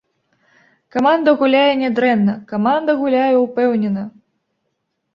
Каманда гуляе нядрэнна, каманда гуляе ўпэўнена.